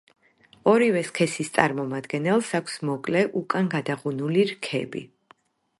ორივე სქესის წარმომადგენელს აქვს მოკლე, უკან გადაღუნული რქები.